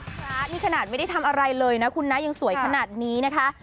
พระนี่ขนาดไม่ได้ทำอะไรเลยนะคุณนะยังสวยขนาดนี้นะคะ